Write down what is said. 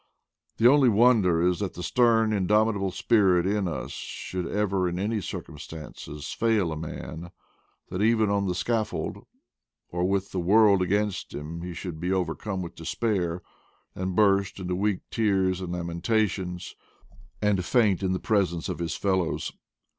The only wonder is that the stern indomitable spirit in us should ever in any circumstances fail a man, that even on the scaffold or with the world against him )ie should be overcome by despair, and burst into weak tears and lamentations, and faint in the presence of his fellows.